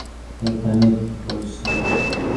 এখানে কি করছো?